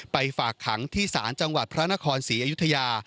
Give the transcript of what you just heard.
ฝากขังที่ศาลจังหวัดพระนครศรีอยุธยา